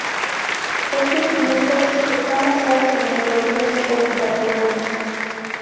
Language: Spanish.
Estos clústers están basados en categorías ocupacionales.